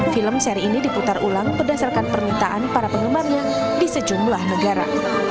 film seri ini diputar ulang berdasarkan permintaan para penggemarnya di sejumlah negara